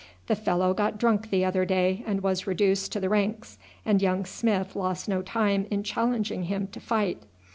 The fellow got drunk the other day and was reduced to the ranks, and young Smith lost no time in challenging him to fight.